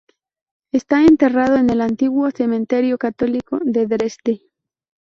Está enterrado en el Antiguo Cementerio Católico de Dresde.